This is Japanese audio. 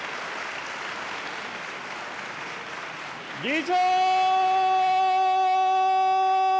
議長。